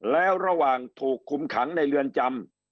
แล้วระหว่างถูกคุมขังในเรือนจำ